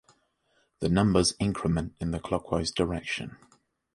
The numbers increment in the clockwise direction.